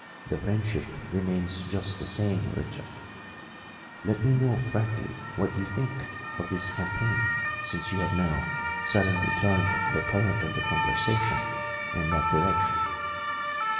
"The friendship remains just the same, Richard. Let me know frankly what you think of this campaign, since you have now suddenly turned the current of the conversation in that direction?"